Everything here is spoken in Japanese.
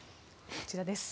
こちらです。